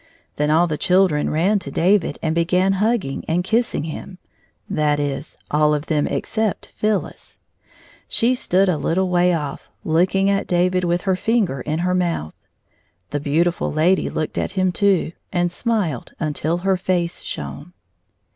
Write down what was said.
Then all the children ran to David and began hugging and kissing him — that is, all of them except Phyllis. She stood a little way oflf, looking at David with her finger in her mouth. The beautiftil lady looked at him too, and smiled until her face shone.